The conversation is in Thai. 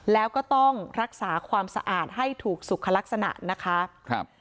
แล้วก็ต้องรักษาความสะอาดให้ถูกสุขลักษณะนะคะครับ